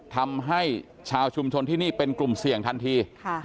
ทำให้ชาวชุมชนที่นี่เป็นกลุ่มเสี่ยงทันที